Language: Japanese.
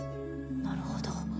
なるほど。